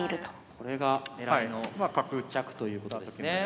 これが狙いの一着ということですね。